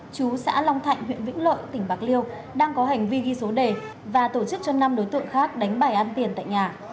chú xã long thạnh huyện vĩnh lợi tỉnh bạc liêu đang có hành vi ghi số đề và tổ chức cho năm đối tượng khác đánh bài ăn tiền tại nhà